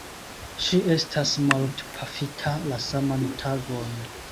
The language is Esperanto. Ŝi estas mortpafita la saman tagon.